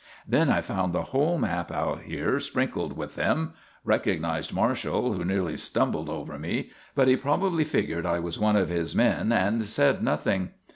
"Then I found the whole map out here sprinkled with them. Recognised Marshall, who nearly tumbled over me; but he probably figured I was one of his men, and said nothing.